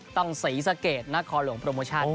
ต้องสีสะเกดนะคอหลวงโปรโมชั่น